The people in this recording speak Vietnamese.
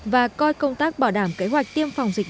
và coi công tác bảo đảm kế hoạch tiêm phòng dịch